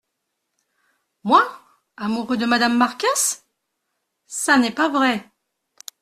Moi ! amoureux de madame Marcasse ?… ça n’est pas vrai !…